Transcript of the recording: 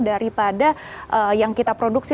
daripada yang kita produksi